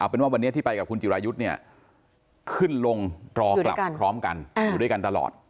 เป็นว่าวันนี้ที่ไปกับคุณจิรายุทธ์เนี่ยขึ้นลงรอกลับพร้อมกันอยู่ด้วยกันตลอด